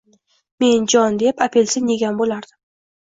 Men jon deb apelsin egan bo`lardim